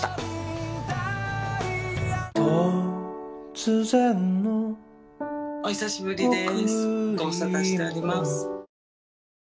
それは。お久しぶりです。